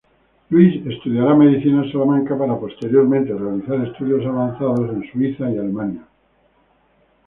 Luis estudiará Medicina en Salamanca para posteriormente realizar estudios avanzados en Suiza y Alemania.